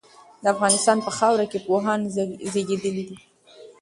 د افغانستان په خاوره کي پوهان زېږيدلي دي.